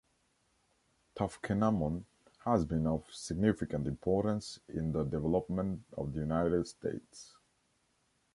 Toughkenamon has been of significant importance in the development of the United States.